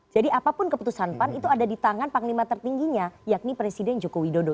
jadi apapun keputusan pan itu ada di tangan panglima tertingginya yakni presiden joko widodo